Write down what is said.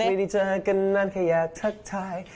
ไม่ได้เจอกันนั่นแค่อยากทักทาย